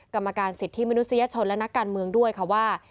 กรรมการสิทธิมนุษยชนและนักการเมืองด้วยค่ะว่า